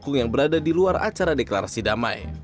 pendukung yang berada di luar acara deklarasi damai